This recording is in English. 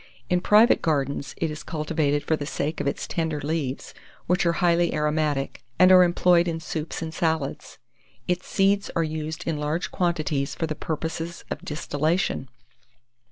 In private gardens, it is cultivated for the sake of its tender leaves, which are highly aromatic, and are employed in soups and salads. Its seeds are used in large quantities for the purposes of distillation.